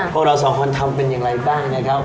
พวกเราสองคนทำเป็นอย่างไรบ้างนะครับ